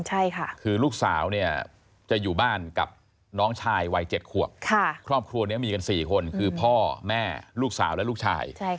ที่ลูกสาวจะอยู่บ้านกับน้องชายวัย๗ขวบคลอบครัวนี้มี๔คนคือพ่อแม่ลูกสาวลูกชาย